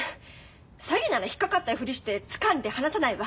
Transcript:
詐欺なら引っ掛かったふりしてつかんで離さないわ。